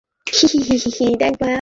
হি হি হি।